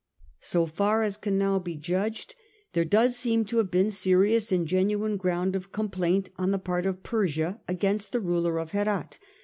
So far as can now be judged, there does seem to have been serious and genuine ground of complaint on the part of Persia against the ruler of Herat.